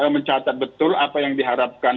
mencatat betul apa yang diharapkan